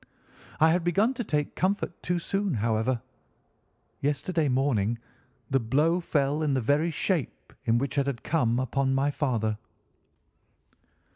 I had begun to take comfort too soon, however; yesterday morning the blow fell in the very shape in which it had come upon my father."